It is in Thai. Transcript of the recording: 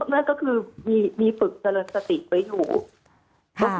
นั่นก็คือมีฝึกสรรสติไปอยู่